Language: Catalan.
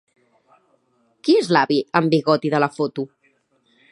Qui és l'avi amb bigoti de la foto?